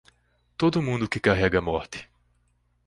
Todo mundo que carrega a morte.